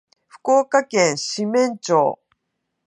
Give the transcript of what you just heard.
福岡県志免町